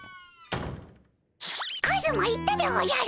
カズマ行ったでおじゃる。